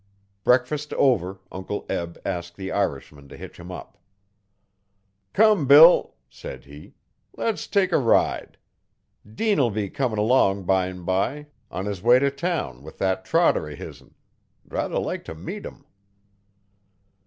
Breakfast over Uncle Eb asked the Irishman to hitch him up. 'Come Bill,' said he, 'le's take a ride. Dean'll be comm' 'long bym bye on his way t' town with that trotter o' his'n. 'Druther like to meet him.'